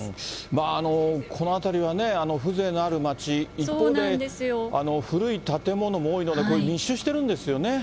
まあ、この辺りはね、風情のある街、一方で古い建物も多いので、こういう、密集してるんですよね。